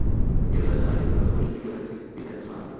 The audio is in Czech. Je rozsah stávajícího programu Společenství geograficky diferencován?